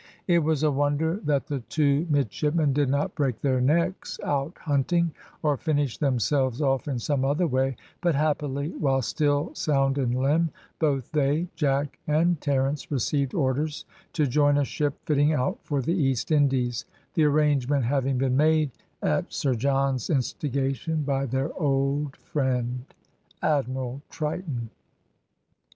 It was a wonder that the two midshipmen did not break their necks out hunting, or finish themselves off in some other way, but happily, while still sound in limb, both they, Jack, and Terence received orders to join a ship fitting out for the East Indies, the arrangement having been made, at Sir John's instigation, by their old friend Admiral Triton.